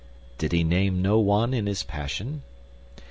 "Did he name no one in his passion?"